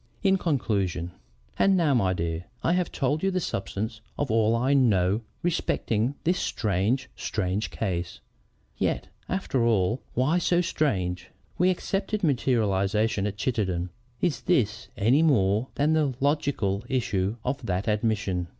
IN CONCLUSION "And now, my dear , I have told you the substance of all I know respecting this strange, strange case. Yet, after all, why so strange? We accepted materialization at Chittenden. Is this any more than the logical issue of that admission?